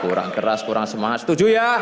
kurang keras kurang semangat setuju ya